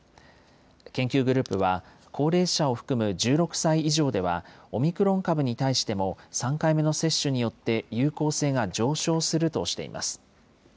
研究グループは、高齢者を含む１６歳以上では、オミクロン株に対しても、３回目の接種によって有効性が上昇するとしています。